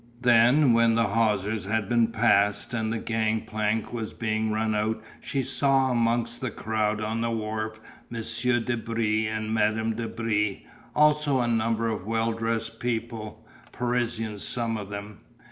Then when the hawsers had been passed and the gang plank was being run out she saw amongst the crowd on the wharf Monsieur de Brie and Madame de Brie, also a number of well dressed people, Parisians some of them.